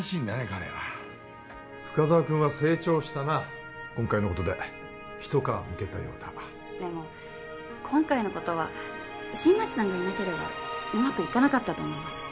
彼は深沢君は成長したな今回のことで一皮むけたようだでも今回のことは新町さんがいなければうまくいかなかったと思います